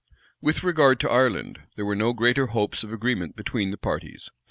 With regard to Ireland, there were no greater hopes of agreement between the parties.